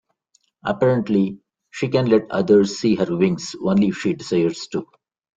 Apparently, she can let others see her wings only if she desires to.